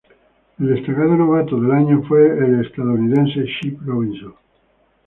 El destacado Novato del Año fue el estadounidense Chip Robinson.